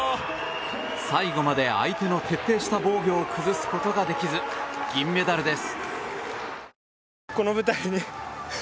最後まで相手の徹底した防御を崩すことができず銀メダルです。